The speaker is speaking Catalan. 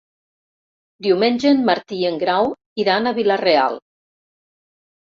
Diumenge en Martí i en Grau iran a Vila-real.